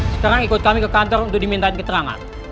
sekarang ikut kami ke kantor untuk dimintain keterangan